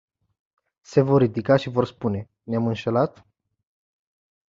Se vor ridica și vor spune "Ne-am înșelat”?